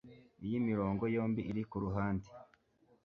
Iyi mirongo yombi iri kuruhande.